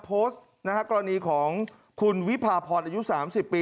โพสต์นะฮะกรณีของคุณวิพาพรอายุ๓๐ปี